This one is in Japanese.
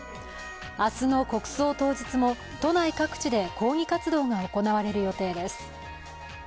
明日の国葬当日も都内各地で抗議活動が行われる予定です。